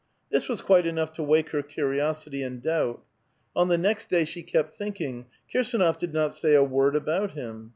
This was quite enough to wake her curiosity and doubt. On the next day she kept thinking: " Kirsdnof did not say a word about him.